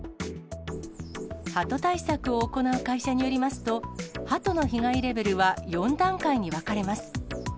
ハト対策を行う会社によりますと、ハトの被害レベルは４段階に分かれます。